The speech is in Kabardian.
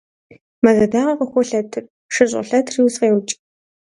Мэз адакъэр къыхолъэтыр, шыр щӏолъэтри усфӏеукӏ.